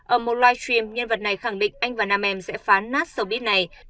ở một live stream nhân vật này khẳng định anh và nam em sẽ phán nát xô bít này